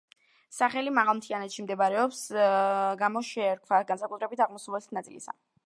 სახელი მაღალმთიანეთში მდებარეობის გამო შეერქვა, განსაკუთრებით აღმოსავლეთი ნაწილისა.